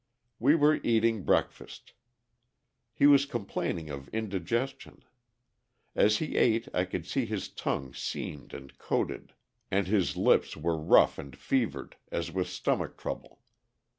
We were eating breakfast. He was complaining of indigestion. As he ate I could see his tongue seamed and coated, and his lips were rough and fevered as with stomach trouble.